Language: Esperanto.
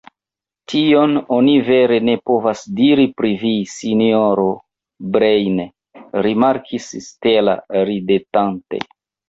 Tion oni vere ne povas diri pri vi, sinjoro Breine, rimarkis Stella ridetante.